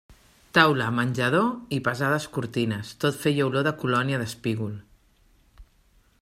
Taula, menjador i pesades cortines, tot feia olor de colònia d'espígol.